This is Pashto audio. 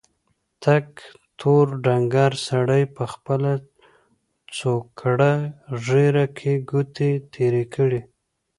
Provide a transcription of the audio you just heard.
تک تور ډنګر سړي په خپله څوکړه ږيره کې ګوتې تېرې کړې.